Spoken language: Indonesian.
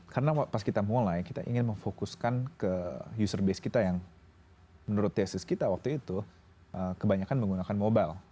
karena pas kita mulai kita ingin memfokuskan ke user base kita yang menurut tesis kita waktu itu kebanyakan menggunakan mobile